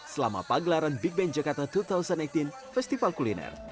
selama pagelaran big band jakarta dua ribu delapan belas festival kuliner